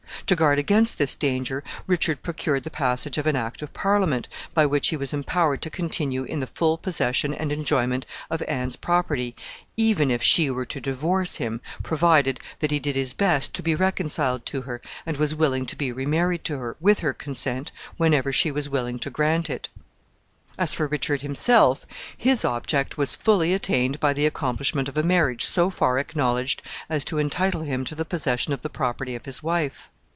To guard against this danger, Richard procured the passage of an act of Parliament, by which he was empowered to continue in the full possession and enjoyment of Anne's property, even if she were to divorce him, provided that he did his best to be reconciled to her, and was willing to be re married to her, with her consent, whenever she was willing to grant it. [Illustration: QUEEN ANNE.] As for Richard himself, his object was fully attained by the accomplishment of a marriage so far acknowledged as to entitle him to the possession of the property of his wife.